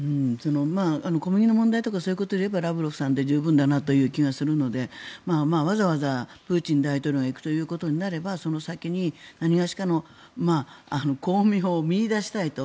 小麦の問題とかそういうことを言えばラブロフさんで十分な気がするのでわざわざプーチン大統領が行くということになればその先になにがしかの光明を見いだしたいと。